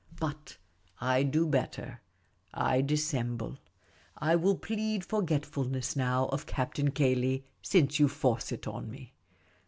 But I do better ; I dissemble. I will plead forgetfuluess now of Captain Cayley, since you force it on me.